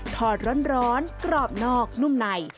ทอดร้อนกรอบนอกนุ่มใน